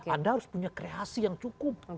anda harus punya kreasi yang cukup